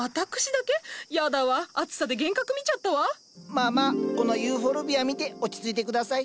まあまあこのユーフォルビア見て落ち着いて下さい。